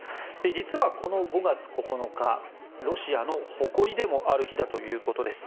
実は、この５月９日ロシアの誇りでもある日ということです。